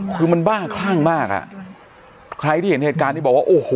คือมันบ้าคลั่งมากอ่ะใครที่เห็นเหตุการณ์นี้บอกว่าโอ้โห